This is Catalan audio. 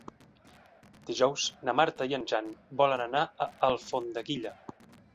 Dijous na Marta i en Jan volen anar a Alfondeguilla.